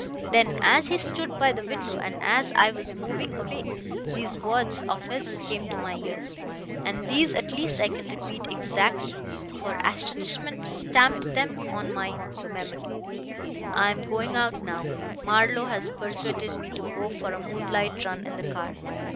Then, as he stood by the window, and as I was moving away, these words of his came to my ears and these at least I can repeat exactly, for astonishment stamped them on my memory 'I'm going out now. Marlowe has persuaded me to go for a moonlight run in the car.